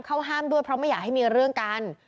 ครอบครัวอยากให้มีเรื่องกัน